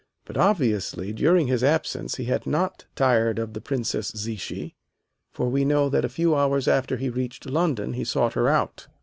But, obviously, during his absence he had not tired of the Princess Zichy, for we know that a few hours after he reached London he sought her out.